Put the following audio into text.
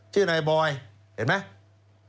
ชื่อนายบอยเห็นไหม